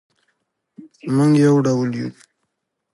مونږ یو ډول یو